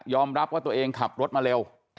รับว่าตัวเองขับรถมาเร็ว